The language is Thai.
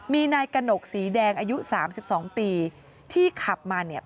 มีนายกระหนกสีแดงอายุสามสิบสองปีที่ขับมาเนี่ย